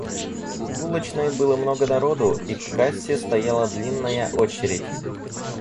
В булочной было много народу, и к кассе стояла длинная очередь.